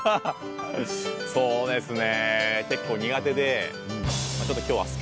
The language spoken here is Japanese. そうですね。